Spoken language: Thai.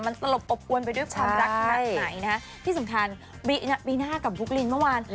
มันตลบอบอวนไปด้วยความรักขนาดไหนนะฮะที่สำคัญบีน่ากับบุ๊กลินเมื่อวาน